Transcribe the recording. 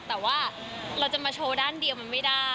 แต่ว่าเราจะมาโชว์ด้านเดียวมันไม่ได้